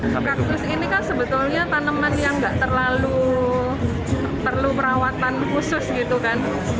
kaktus ini kan sebetulnya tanaman yang nggak terlalu perlu perawatan khusus gitu kan